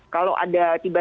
kalau ada tiba tiba